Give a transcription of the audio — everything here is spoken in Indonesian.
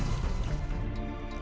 ia telah berkata